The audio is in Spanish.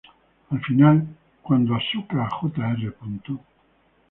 Al final, cuando Asuka Jr.